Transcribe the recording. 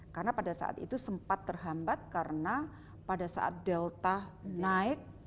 karena pada saat itu sempat terhambat karena pada saat delta naik